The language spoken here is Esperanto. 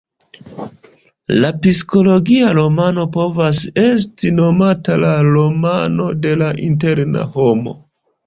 La psikologia romano povas esti nomata la romano de la "interna homo".